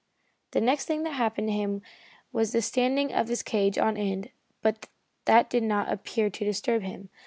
The next thing that happened to him was the standing of his cage on end, but that did not appear to disturb him.